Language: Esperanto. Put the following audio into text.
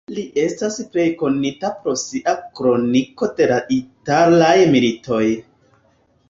Li estas plej konita pro sia kroniko de la italaj militoj.